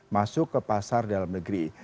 masuk ke pasar dalam negeri